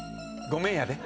ごめんやで。